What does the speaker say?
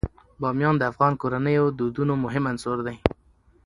بامیان د افغان کورنیو د دودونو مهم عنصر دی.